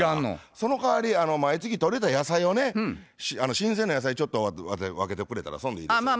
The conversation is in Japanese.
そのかわり毎月とれた野菜をね新鮮な野菜ちょっと分けてくれたらそんでいいですよと。